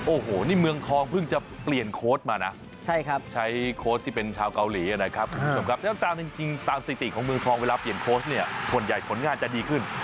โอ้โหนี่เมืองทองเพิ่งจะเปลี่ยนโค้ดมานะใช้โค้ชที่เป็นชาวเกาหลีนะครับคุณผู้ชมครับแล้วตามจริงตามสถิติของเมืองทองเวลาเปลี่ยนโค้ชเนี่ยส่วนใหญ่ผลงานจะดีขึ้น